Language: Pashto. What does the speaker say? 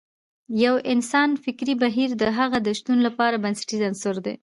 د يو انسان فکري بهير د هغه د شتون لپاره بنسټیز عنصر دی.